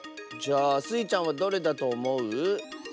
じゃあスイちゃんはどれだとおもう？